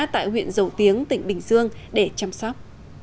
tại huyện dầu tiếng tỉnh bình dương để chăm sóc